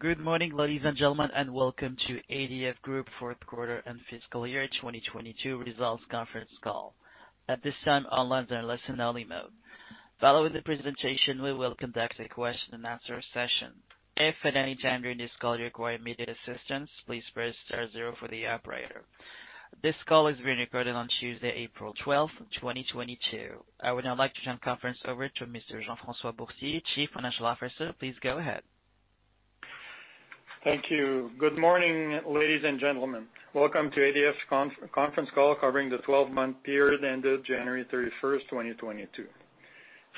Good morning, ladies and gentlemen, and welcome to ADF Group fourth quarter and fiscal year 2022 results conference call. At this time, all lines are in listen-only mode. Following the presentation, we will conduct a question and answer session. If at any time during this call you require immediate assistance, please press star zero for the operator. This call is being recorded on Tuesday, April 12, 2022. I would now like to turn the conference over to Mr. Jean-François Boursier, Chief Financial Officer. Please go ahead. Thank you. Good morning, ladies and gentlemen. Welcome to ADF's conference call covering the twelve-month period ended January 31, 2022.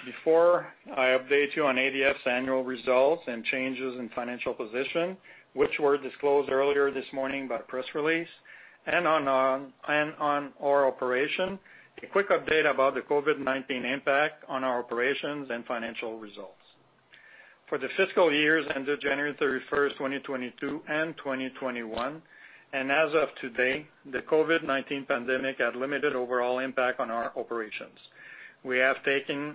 Before I update you on ADF's annual results and changes in financial position, which were disclosed earlier this morning by press release and on our operations, a quick update about the COVID-19 impact on our operations and financial results. For the fiscal years ended January 31, 2022 and 2021, and as of today, the COVID-19 pandemic had limited overall impact on our operations. We have taken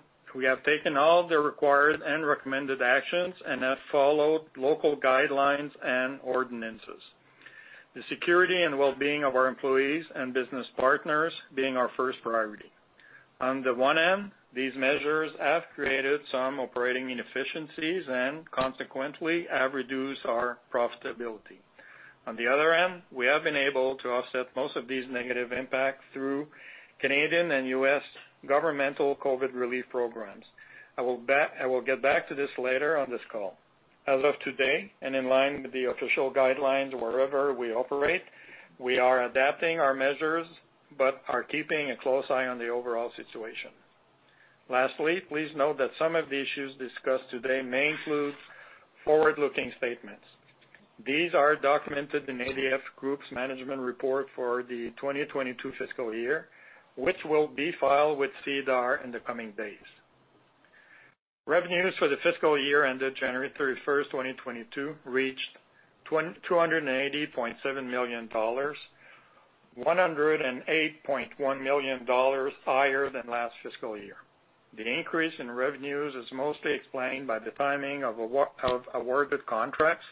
all the required and recommended actions and have followed local guidelines and ordinances. The security and well-being of our employees and business partners being our first priority. On the one hand, these measures have created some operating inefficiencies and consequently have reduced our profitability. On the other end, we have been able to offset most of these negative impacts through Canadian and U.S. governmental COVID relief programs. I will get back to this later on this call. As of today, and in line with the official guidelines wherever we operate, we are adapting our measures but are keeping a close eye on the overall situation. Lastly, please note that some of the issues discussed today may include forward-looking statements. These are documented in ADF Group's management report for the 2022 fiscal year, which will be filed with SEDAR in the coming days. Revenues for the fiscal year ended January 31, 2022 reached 280.7 million dollars, 108.1 million dollars higher than last fiscal year. The increase in revenues is mostly explained by the timing of awarded contracts,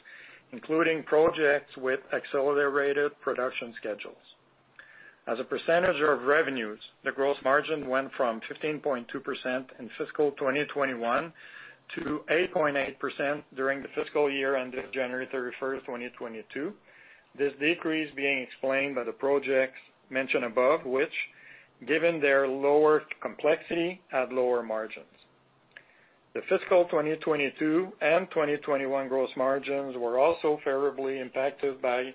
including projects with accelerated production schedules. As a percentage of revenues, the gross margin went from 15.2% in fiscal 2021 to 8.8% during the fiscal year ended January 31, 2022. This decrease being explained by the projects mentioned above which, given their lower complexity, have lower margins. The fiscal 2022 and 2021 gross margins were also favorably impacted by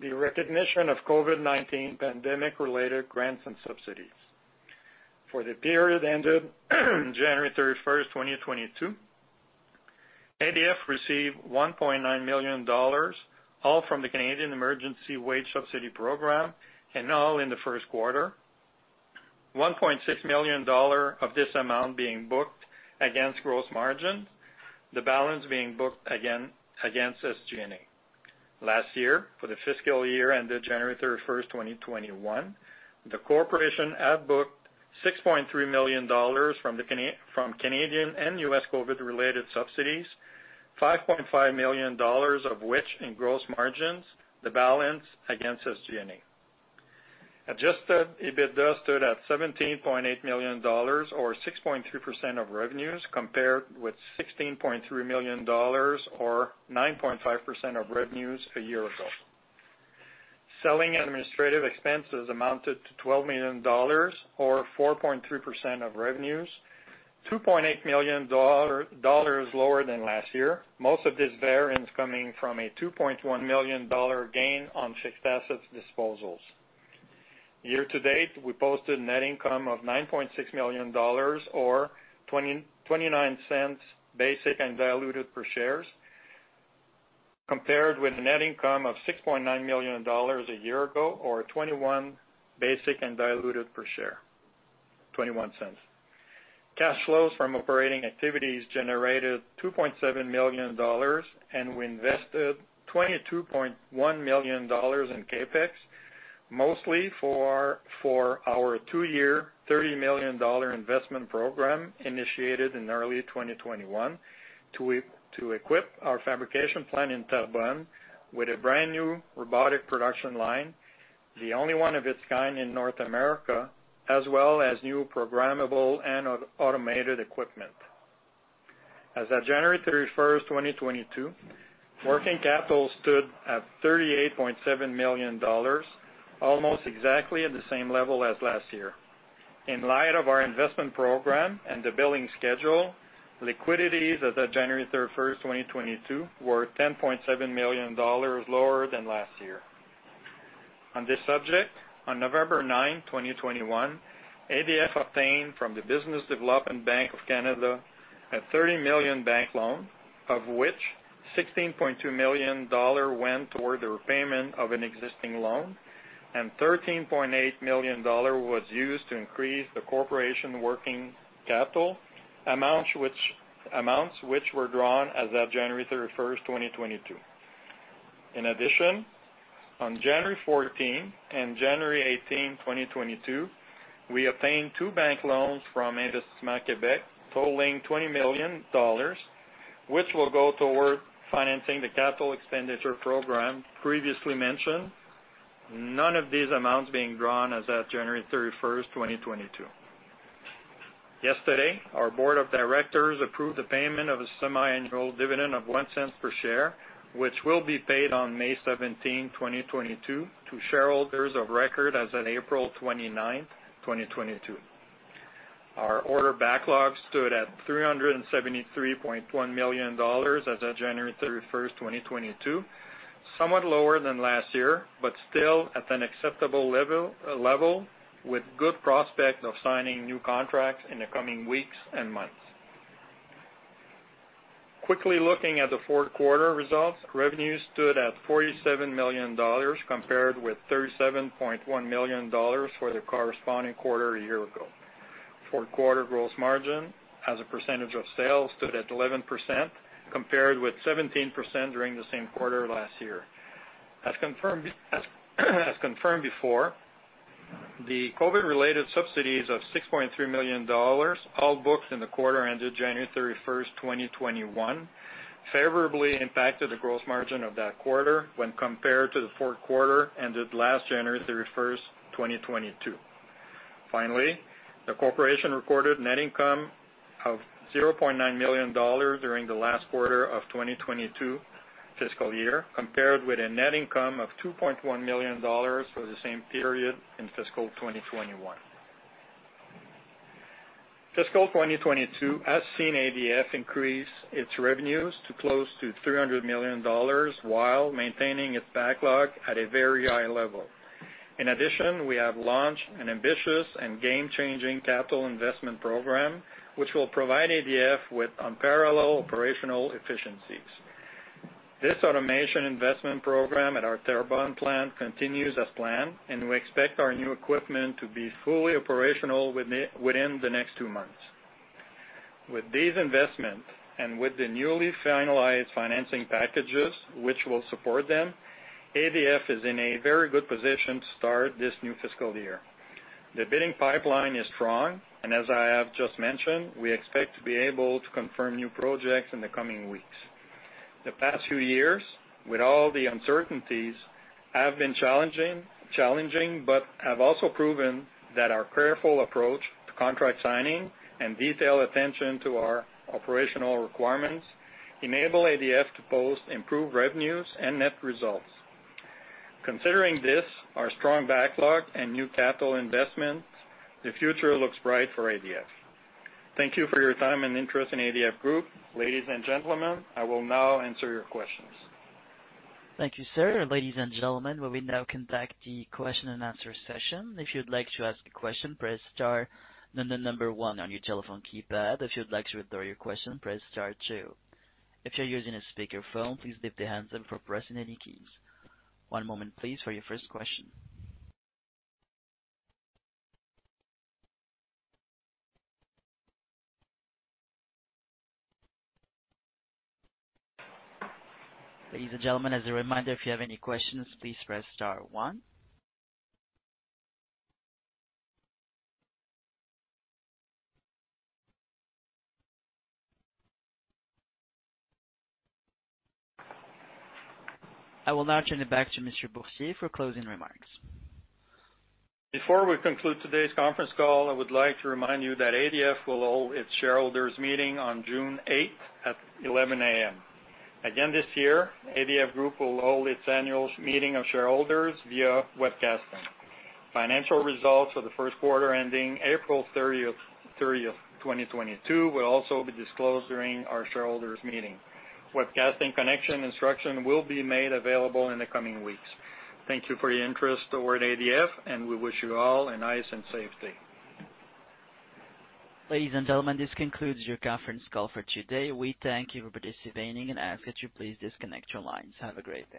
the recognition of COVID-19 pandemic-related grants and subsidies. For the period ended January 31, 2022, ADF received 1.9 million dollars, all from the Canada Emergency Wage Subsidy Program, and all in the first quarter, 1.6 million dollars of this amount being booked against gross margins, the balance being booked against SG&A. Last year, for the fiscal year ended January 31, 2021, the corporation had booked $6.3 million from Canadian and U.S. COVID-related subsidies, $5.5 million of which in gross margins, the balance against SG&A. Adjusted EBITDA stood at $17.8 million or 6.3% of revenues compared with $16.3 million or 9.5% of revenues a year ago. Selling administrative expenses amounted to $12 million or 4.3% of revenues, $2.8 million lower than last year. Most of this variance coming from a $2.1 million gain on fixed assets disposals. Year to date, we posted net income of 9.6 million dollars or 0.29 basic and diluted per share, compared with net income of CAD 6.9 million a year ago or 0.21 basic and diluted per share. Cash flows from operating activities generated 2.7 million dollars, and we invested 22.1 million dollars in CapEx, mostly for our two-year 30 million dollar investment program initiated in early 2021 to equip our fabrication plant in Terrebonne with a brand-new robotic production line, the only one of its kind in North America, as well as new programmable and automated equipment. As at January 31, 2022, working capital stood at 38.7 million dollars, almost exactly at the same level as last year. In light of our investment program and the billing schedule, liquidity as at January 31, 2022 was 10.7 million dollars lower than last year. On this subject, on November 9, 2021, ADF obtained from the Business Development Bank of Canada a 30 million bank loan, of which 16.2 million dollar went toward the repayment of an existing loan, and 13.8 million dollar was used to increase the corporation working capital, amounts which were drawn as at January 31, 2022. In addition, on January 14 and January 18, 2022, we obtained two bank loans from Investissement Québec totaling 20 million dollars, which will go toward financing the capital expenditure program previously mentioned. None of these amounts being drawn as at January 31, 2022. Yesterday, our board of directors approved the payment of a semiannual dividend of 0.01 per share, which will be paid on May 17, 2022 to shareholders of record as of April 29, 2022. Our order backlog stood at 373.1 million dollars as of January 31, 2022. Somewhat lower than last year, but still at an acceptable level with good prospect of signing new contracts in the coming weeks and months. Quickly looking at the fourth quarter results. Revenue stood at 47 million dollars compared with 37.1 million dollars for the corresponding quarter a year ago. Fourth quarter gross margin as a percentage of sales stood at 11% compared with 17% during the same quarter last year. As confirmed before, the COVID-related subsidies of 6.3 million dollars, all booked in the quarter ended January 31, 2021 favorably impacted the gross margin of that quarter when compared to the fourth quarter ended January 31, 2022. Finally, the corporation recorded net income of 0.9 million dollars during the last quarter of fiscal 2022, compared with a net income of 2.1 million dollars for the same period in fiscal 2021. Fiscal 2022 has seen ADF increase its revenues to close to 300 million dollars while maintaining its backlog at a very high level. In addition, we have launched an ambitious and game-changing capital investment program, which will provide ADF with unparalleled operational efficiencies. This automation investment program at our Terrebonne plant continues as planned, and we expect our new equipment to be fully operational within the next two months. With these investments, and with the newly finalized financing packages, which will support them, ADF is in a very good position to start this new fiscal year. The bidding pipeline is strong, and as I have just mentioned, we expect to be able to confirm new projects in the coming weeks. The past few years, with all the uncertainties, have been challenging, but have also proven that our careful approach to contract signing and detailed attention to our operational requirements enable ADF to post improved revenues and net results. Considering this, our strong backlog and new capital investments, the future looks bright for ADF. Thank you for your time and interest in ADF Group. Ladies and gentlemen, I will now answer your questions. Thank you, sir. Ladies and gentlemen, we will now conduct the question and answer session. If you'd like to ask a question, press star then the number one on your telephone keypad. If you'd like to withdraw your question, press star two. If you're using a speakerphone, please lift the handset before pressing any keys. One moment please for your first question. Ladies and gentlemen, as a reminder, if you have any questions, please press star one. I will now turn it back to Mr. Boursier for closing remarks. Before we conclude today's conference call, I would like to remind you that ADF will hold its shareholders meeting on June eighth at 11:00 A.M. Again, this year, ADF Group will hold its annual meeting of shareholders via webcasting. Financial results for the first quarter ending April 30, 2022 will also be disclosed during our shareholders meeting. Webcasting connection instruction will be made available in the coming weeks. Thank you for your interest toward ADF, and we wish you all a nice and safety. Ladies and gentlemen, this concludes your conference call for today. We thank you for participating and ask that you please disconnect your lines. Have a great day.